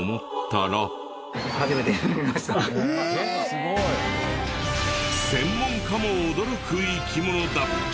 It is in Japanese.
すごい！専門家も驚く生き物だった。